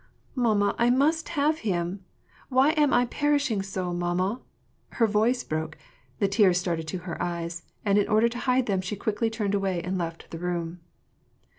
''Mamma, I must have him. Why am I perishing so, mamma ?" Her voice broke ; the tears started to her eyes, and in order to hide them she quickly turned away and left the room.